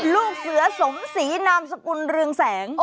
ลูกเสือสมศรีนามสกุลเรืองแสง